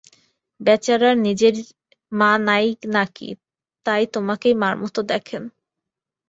বেচারার নিজের মা নাই নাকি, তাই তোমাকেই মার মতো দেখেন।